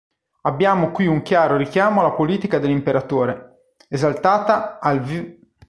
Abbiamo qui un chiaro richiamo alla politica dell'imperatore, esaltata al v.